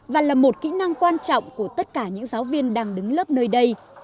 và là một kỹ năng quan trọng của tất cả những giáo viên đang đứng lớp nơi đây